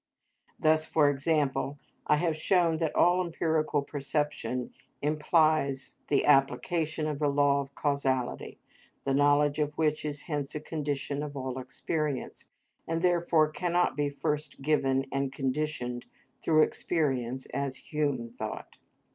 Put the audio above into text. Thus, for example, I have shown that all empirical perception implies the application of the law of causality, the knowledge of which is hence a condition of all experience, and therefore cannot be first given and conditioned through experience as Hume thought.